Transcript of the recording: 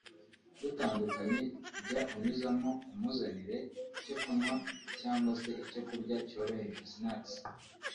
dutandukanye jya unyuzamo umuzanire icyo kunywa cyangwa se icyo kurya cyoroheje (snacks)